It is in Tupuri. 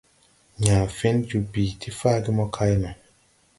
Yãã fen joo bìi ti faage mo kay no.